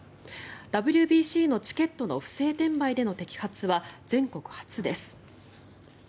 ＷＢＣのチケットの不正転売での摘発は全国初です。